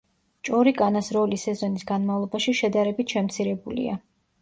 ჭორიკანას როლი სეზონის განმავლობაში შედარებით შემცირებულია.